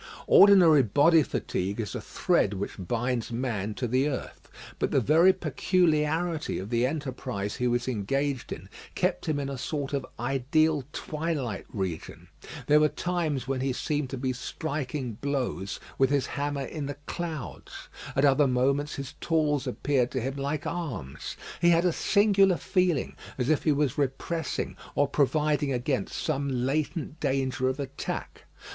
Ordinary bodily fatigue is a thread which binds man to the earth; but the very peculiarity of the enterprise he was engaged in kept him in a sort of ideal twilight region. There were times when he seemed to be striking blows with his hammer in the clouds. At other moments his tools appeared to him like arms. He had a singular feeling, as if he was repressing or providing against some latent danger of attack.